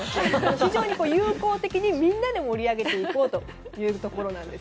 非常に友好的にみんなで盛り上げていこうということで。